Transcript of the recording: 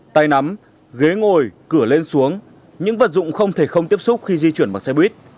tay nắm ghế ngồi cửa lên xuống những vật dụng không thể không tiếp xúc khi di chuyển bằng xe buýt